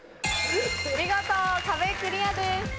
見事壁クリアです。